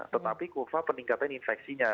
tetapi kurva peningkatan infeksinya